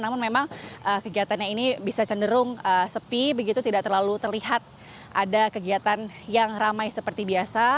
namun memang kegiatannya ini bisa cenderung sepi begitu tidak terlalu terlihat ada kegiatan yang ramai seperti biasa